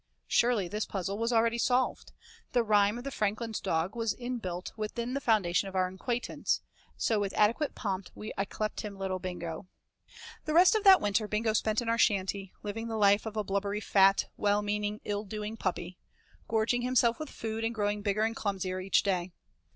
Surely this puzzle was already solved. The rhyme of the 'Franckelyn's dogge' was in built with the foundation of our acquaintance, so with adequate pomp 'we yclept him little Bingo.' II The rest of that winter Bingo spent in our shanty, living the life of a blubbery, fat, well meaning, ill doing puppy; gorging himself with food and growing bigger and clumsier each day.